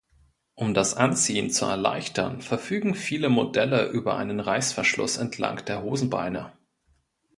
Um das Anziehen zu erleichtern, verfügen viele Modelle über einen Reißverschluss entlang der Hosenbeine.